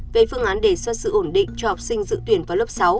về phương án đề xuất giữ ổn định cho học sinh giữ tuyển vào lớp sáu